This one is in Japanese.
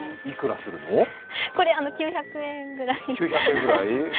これは９００円ぐらい。